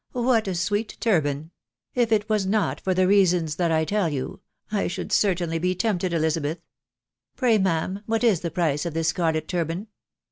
What a sweet turban !.... If it was not for the reasons that I tell you, I should certainly be tempted, Eli zabeth. Pray, ma'am, what is the price of this scarlet tur ban?"